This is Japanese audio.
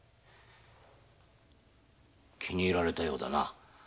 気に入られたようだな。